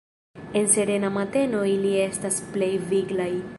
En serena mateno ili estas plej viglaj.